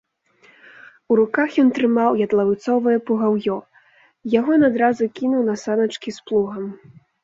У руках ён трымаў ядлаўцовае пугаўё, яго ён адразу кінуў на саначкі з плугам.